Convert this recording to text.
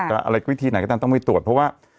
อะไรวิธีไหนก็ตามต้องไปตรวจเพราะว่า